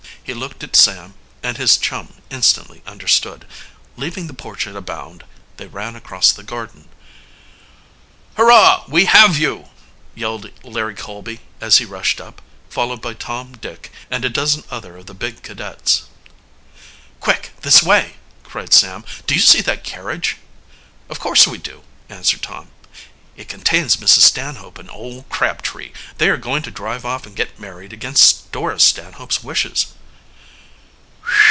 He looked at Sam, and his chum, instantly understood. Leaving the porch at a bound, they ran across the garden. "Hurrah! we have you!" yelled Larry Colby, as he rushed up, followed by Tom, Dick, and a dozen of the other big cadets. "Quick, this way!" cried Sam. "Do you see that carriage?" "Of course we do," answered Tom. "It contains Mrs. Stanhope and old Crabtree. They are going to drive off and get married against Dora Stanhope's wishes."